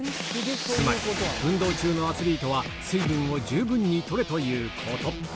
つまり、運動中のアスリートは、水分を十分にとれということ。